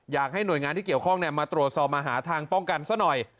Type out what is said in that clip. อยากให้หน่วยงานที่เกี่ยวข้องมาตรวจสอบมาหาทางป้องกันซะหน่อย